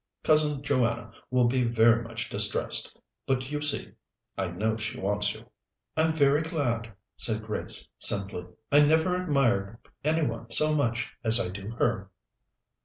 Cousin Joanna will be very much distressed; but, you see, I know she wants you." "I'm very glad," said Grace simply. "I never admired any one so much as I do her."